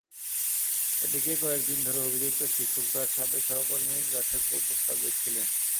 এদিকে কয়েক দিন ধরে অভিযুক্ত শিক্ষক তাঁর সাবেক সহকর্মীর কাছে কুপ্রস্তাব দিচ্ছিলেন।